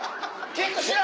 キックしろ！